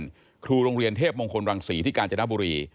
เป็นครูโรงเรียนเทพมงคลรังศรีที่กาญจนบุรี